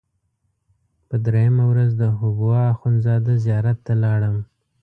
په درېیمه ورځ د حبوا اخندزاده زیارت ته لاړم.